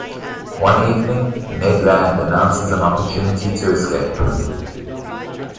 One evening, Ned Land announces an opportunity to escape.